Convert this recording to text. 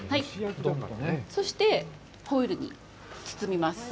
そして、ホイルで包みます。